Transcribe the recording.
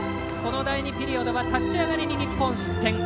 この第２ピリオドは立ち上がりに日本失点。